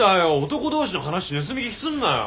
男同士の話盗み聞きすんなよ！